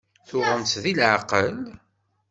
Tuɣem-tt deg leɛqel?